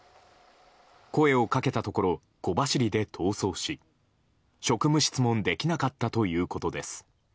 声をかけたところ小走りで逃走し職務質問できなかったということです。